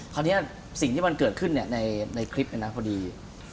คราวนี้สิ่งที่มันเกิดขึ้นเนี่ยในคลิปเนี่ยนะพอดี